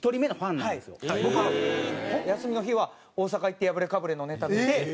僕休みの日は大阪行ってやぶれかぶれのネタ見て。